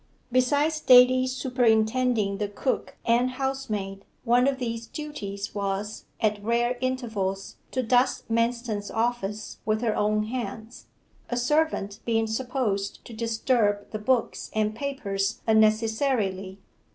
Besides daily superintending the cook and housemaid one of these duties was, at rare intervals, to dust Manston's office with her own hands, a servant being supposed to disturb the books and papers unnecessarily.